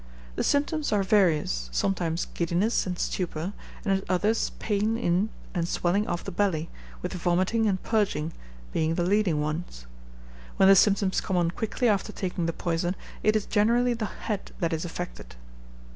The symptoms are various, sometimes giddiness and stupor, and at others pain in and swelling of the belly, with vomiting and purging, being the leading ones. When the symptoms come on quickly after taking the poison, it is generally the head that is affected.